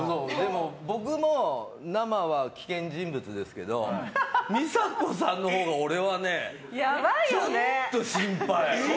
僕も、生は危険人物ですけど美佐子さんのほうが俺はねちょっと心配。